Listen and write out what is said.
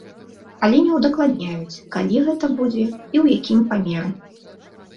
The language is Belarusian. Але не удакладняюць, калі гэта будзе і ў якім памеры.